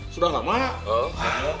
sudah nggak mak